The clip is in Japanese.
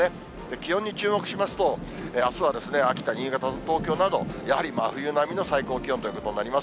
気温に注目しますと、あすは秋田、新潟、東京など、やはり真冬並みの最高気温ということになります。